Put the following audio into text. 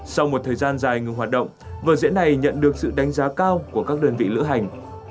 sau một thời gian dài ngừng hoạt động vở diễn này nhận được sự đánh giá cao của các đơn vị lữ hành